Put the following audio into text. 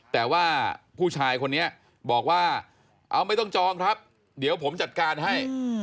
แต่ว่าผู้ชายคนนี้บอกว่าเอาไม่ต้องจองครับเดี๋ยวผมจัดการให้